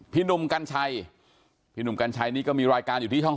หนุ่มกัญชัยพี่หนุ่มกัญชัยนี่ก็มีรายการอยู่ที่ช่อง๓